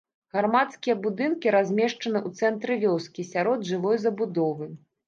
Грамадскія будынкі размешчаны ў цэнтры вёскі, сярод жылой забудовы.